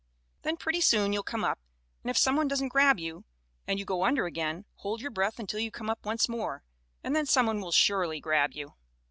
Then, pretty soon you'll come up, and if some one doesn't grab you, and you go under again, hold your breath until you come up once more and then some one will surely grab you.